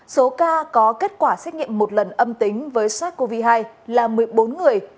số ca có kết quả xét nghiệm một lần âm tính với sars cov hai là một mươi bốn người